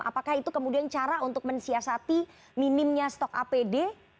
apakah itu kemudian cara untuk mensiasati minimnya stok apd